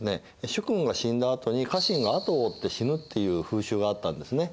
主君が死んだあとに家臣があとを追って死ぬっていう風習があったんですね。